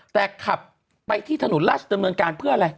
แต่ขับไปที่ถนนราชดำเนินเพื่ออะไร